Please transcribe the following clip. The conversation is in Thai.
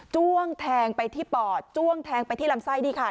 ้วงแทงไปที่ปอดจ้วงแทงไปที่ลำไส้นี่ค่ะ